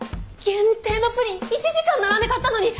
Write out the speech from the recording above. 限定のプリン１時間並んで買ったのに。